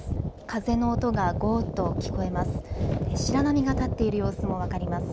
風の音がごーっと聞こえます。